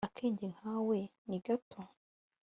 akenge nkawe ni gato